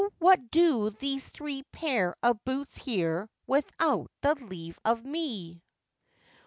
what do these three pair of boots here, without the leave of me?